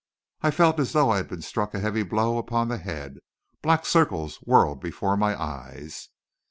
I felt as though I had been struck a heavy blow upon the head; black circles whirled before my eyes....